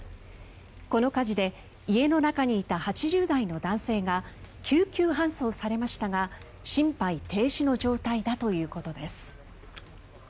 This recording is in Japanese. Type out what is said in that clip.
この火事で家の中にいた８０代の男性が救急搬送されましたが心肺停止の状態だということです。